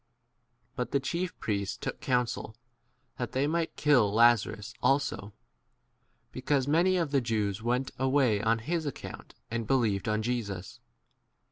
But the chief priests took counsel that they might kill 11 Lazarus also, because many of the Jews went away on his account 12 and believed on Jesus.